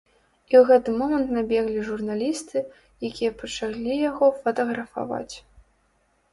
І ў гэты момант набеглі журналісты, якія пачалі яго фатаграфаваць.